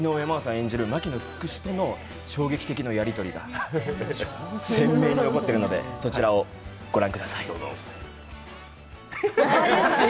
演じる牧野つくしとの衝撃的なやりとりが鮮明に残っているので、そちらを御覧ください。